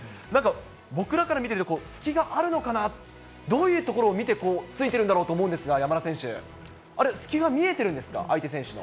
僕らから見てると、隙があるのかな、どういう所を見て突いてるんだろうと思うんですが、山田選手、あれ、隙が見えてるんですか、相手選手の。